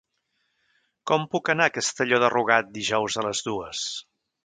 Com puc anar a Castelló de Rugat dijous a les dues?